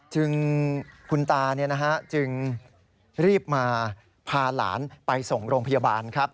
จึงคุณตาจึงรีบมาพาหลานไปส่งโรงพยาบาลครับ